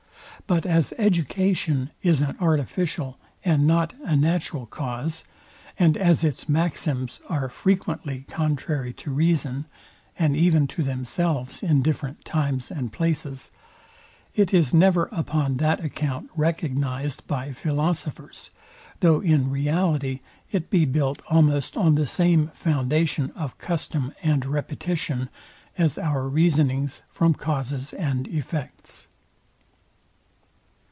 But as education is an artificial and not a natural cause, and as its maxims are frequently contrary to reason, and even to themselves in different times and places, it is never upon that account recognized by philosophers; though in reality it be built almost on the same foundation of custom and repetition as our reasonings from causes and effects.